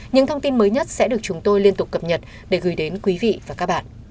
những thông tin mới nhất sẽ được chúng tôi liên tục cập nhật để gửi đến quý vị và các bạn